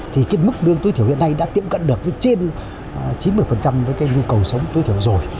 thì cái mức lương tối thiểu hiện nay đã tiệm cận được với trên chín mươi với cái nhu cầu sống tối thiểu rồi